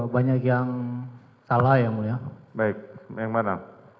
baik yang mana